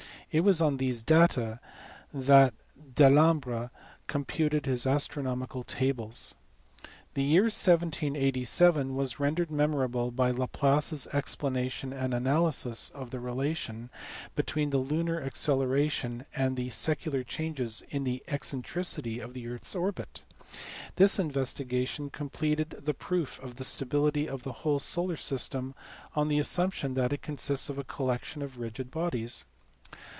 It was on these data that Delambre computed his astronomical tables. The year 1787 was rendered memorable by Laplace s expla nation and analysis of the relation between the lunar accelera tion and the secular changes in the eccentricity of the earth s orbit : this investigation completed the proof of the stability of the whole solar system on the assumption that it consists of a collection of rigid bodies.